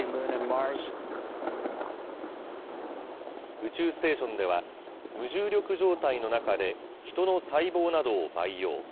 宇宙ステーションでは、無重力状態の中で、ヒトの細胞などを培養。